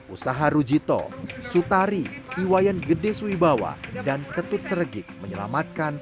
usaha rujito sutari iwayan gede suibawa dan ketut seregik